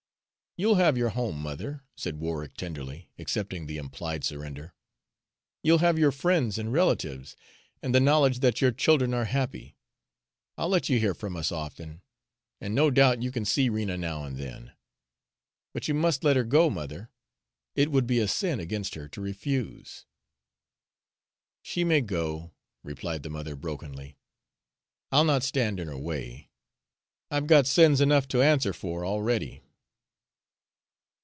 "You'll have your home, mother," said Warwick tenderly, accepting the implied surrender. "You'll have your friends and relatives, and the knowledge that your children are happy. I'll let you hear from us often, and no doubt you can see Rena now and then. But you must let her go, mother, it would be a sin against her to refuse." "She may go," replied the mother brokenly. "I'll not stand in her way I've got sins enough to answer for already."